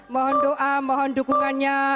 mohon doa mohon dukungannya